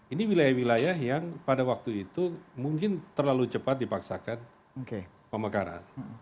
ini wilayah wilayah yang pada waktu itu mungkin terlalu cepat dipaksakan pemekaran